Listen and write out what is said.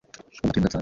ubu atuye mu Gatsata